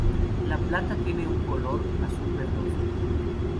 La planta tiene un color azul-verdoso.